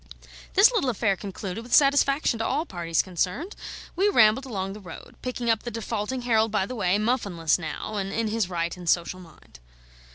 This little affair concluded with satisfaction to all parties concerned, we rambled along the road, picking up the defaulting Harold by the way, muffinless now and in his right and social mind.